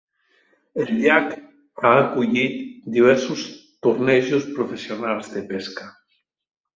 El llac ha acollit diversos tornejos professionals de pesca.